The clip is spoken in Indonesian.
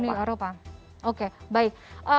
uni eropa oke baik